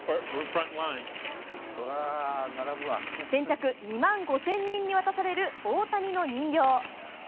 先着２万５０００人に渡される、大谷の人形。